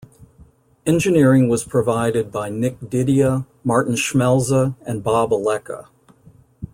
Engineering was provided by Nick Didia, Martin Schmelze, and Bob Alecca.